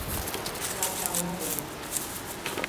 İyi akşamlar bayım.